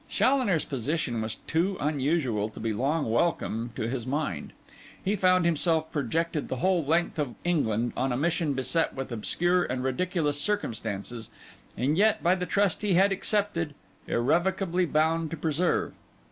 Challoner's position was too unusual to be long welcome to his mind. He found himself projected the whole length of England, on a mission beset with obscure and ridiculous circumstances, and yet, by the trust he had accepted, irrevocably bound to persevere.